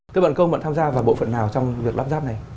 thưa bạn công bạn tham gia vào bộ phận nào trong việc lắp dắt này